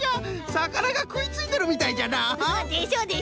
さかながくいついてるみたいじゃな。でしょ？でしょ？